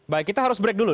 baik kita harus break dulu